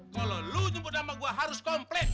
kalau lu nyemput sama gue harus komplit